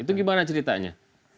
itu gimana ceritanya